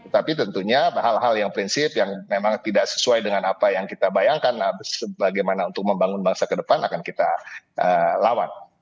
tapi tentunya hal hal yang prinsip yang memang tidak sesuai dengan apa yang kita bayangkan bagaimana untuk membangun bangsa ke depan akan kita lawan